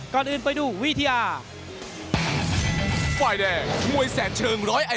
ก่อนอื่นไปดูวิทยา